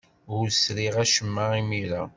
Ur sriɣ acemma imir-a.